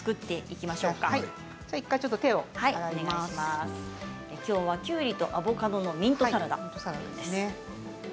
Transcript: きょうは、きゅうりとアボカドのミントサラダです。